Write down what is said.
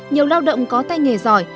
nhiều lao động có tay nghề giỏi